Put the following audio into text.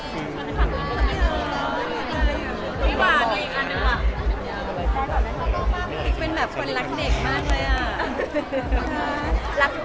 เป็นแบบคนรักเด็กมากเลยอ่ะ